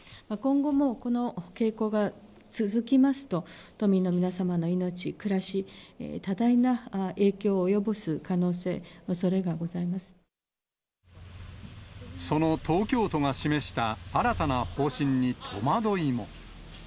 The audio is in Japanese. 今後もこの傾向が続きますと、都民の皆様の命、暮らし、多大な影響を及ぼす可能性、その東京都が示した新たな方針に戸惑いも。